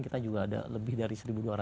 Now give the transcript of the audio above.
kita juga ada lebih dari seribu dua ratus